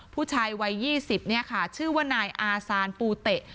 ผู้ชายวัย๒๐ชื่อว่านายอาซานปูเตะ